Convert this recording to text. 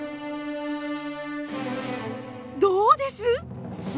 どうです？